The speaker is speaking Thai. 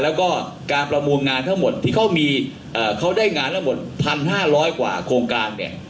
แล้วก็การประมูลงานทั้งหมดที่เขามีเอ่อเขาได้งานทั้งหมดพันห้าร้อยกว่าโครงการเนี่ย